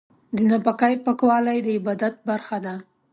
د ناپاکۍ پاکوالی د عبادت برخه ده.